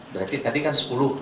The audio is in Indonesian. berarti tadi kan sepuluh